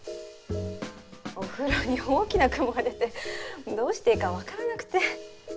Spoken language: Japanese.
お風呂に大きなクモが出てどうしていいかわからなくて。